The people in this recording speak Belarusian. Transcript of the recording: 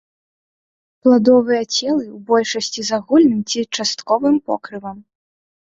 Пладовыя целы ў большасці з агульным ці частковым покрывам.